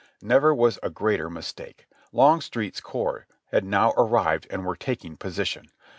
Never was a greater mistake. Longstreet's corps had now arrived and were taking position.